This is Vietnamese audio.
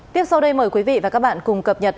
tiếp sau đây mời quý vị và các bạn cùng cập nhật